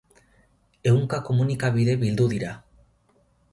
Ehunka komunikabide bildu dira.